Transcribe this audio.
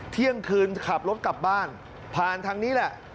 เที่ยงคืนขับรถกลับบ้านผ่านทางนี้แหละ